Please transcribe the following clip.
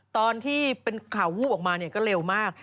ตอนที่เป็นข่าววูบออกมาเนี่ยก็เร็วมาก